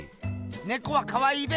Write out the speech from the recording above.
ネコはかわいいべ。